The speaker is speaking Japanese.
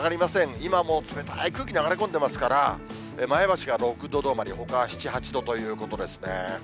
今も冷たい空気流れ込んでますから、前橋が６度止まり、ほかは７、８度ということですね。